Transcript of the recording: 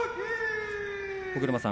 尾車さん